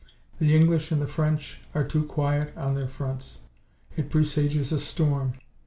The English and the French are too quiet on their fronts. It presages a storm.